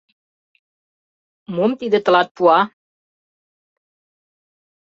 Мом тиде тылат пуа?